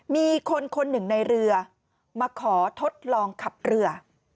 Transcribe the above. มีคนคนหนึ่งในเรือมาขอทดลองขับเรือ